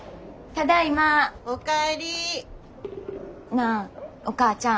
なあお母ちゃん。